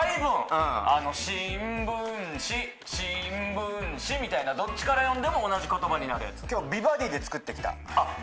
うん「しんぶんし」「しんぶんし」みたいなどっちから読んでも同じ言葉になるやつ「美バディ」で作ってきた？